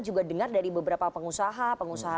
juga dengar dari beberapa pengusaha pengusaha